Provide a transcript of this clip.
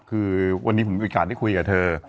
คือวันนี้ผมมีโอกาสได้คุยกับเธอ